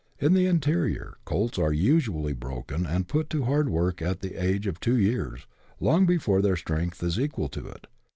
In the interior, colts are usually broken and put to hard work at the age of two years, long before their strength is equal to it.